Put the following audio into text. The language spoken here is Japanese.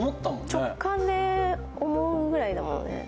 直感で思うぐらいだもんね